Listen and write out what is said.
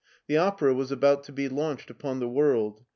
The opera was about to be launched upon the world.